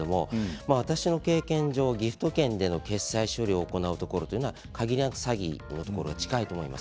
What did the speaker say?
私の経験上ギフト券での決済処理を行うところっていうのは限りなく詐欺に近いと思います。